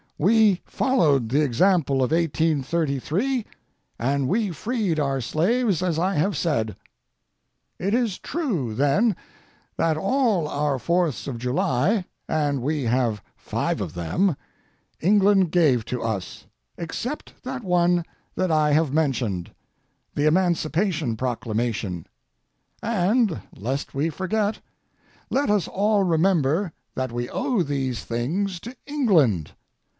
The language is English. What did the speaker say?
We followed the example of 1833, and we freed our slaves as I have said. It is true, then, that all our Fourths of July, and we have five of them, England gave to us, except that one that I have mentioned—the Emancipation Proclamation, and, lest we forget, let us all remember that we owe these things to England.